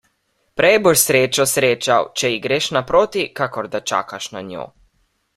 Prej boš srečo srečal, če ji greš naproti, kakor da čakaš nanjo.